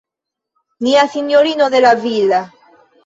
Nia Sinjorino de la Villa.